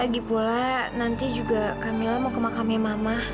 lagi pula nanti juga kamila mau ke rumah sama kamila